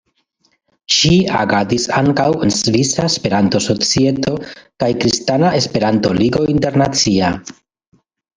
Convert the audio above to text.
Ŝi agadis ankaŭ en Svisa Esperanto-Societo kaj Kristana Esperanto-Ligo Internacia.